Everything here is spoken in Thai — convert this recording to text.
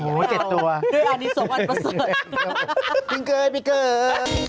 โหเจ็ดตัวเดี๋ยวอันนี้ส่งอันประสดน์พิงเกย์พิงเกย์